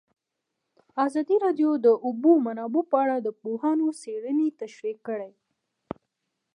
ازادي راډیو د د اوبو منابع په اړه د پوهانو څېړنې تشریح کړې.